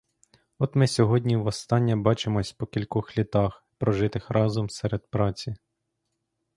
От ми сьогодні востаннє бачимося по кількох літах, прожитих разом, серед праці.